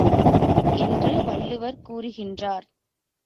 என்று வள்ளுவர் கூறுகின்றார்.